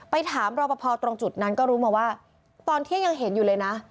ถามรอปภตรงจุดนั้นก็รู้มาว่าตอนเที่ยงยังเห็นอยู่เลยนะ